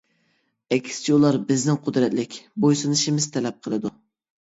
ئەكسىچە، ئۇلار بىزدىن قۇدرەتلىك، بويسۇنۇشىمىز تەلەپ قىلىدۇ.